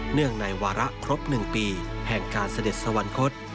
ในวาระครบ๑ปีแห่งการเสด็จสวรรคต